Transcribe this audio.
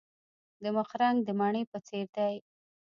د مخ رنګ د مڼې په څیر دی.